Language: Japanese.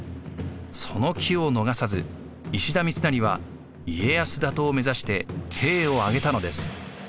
その機を逃さず石田三成は家康打倒を目指して兵を挙げたのです。